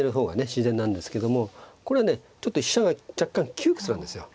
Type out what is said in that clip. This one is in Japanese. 自然なんですけどもこれねちょっと飛車が若干窮屈なんですよ。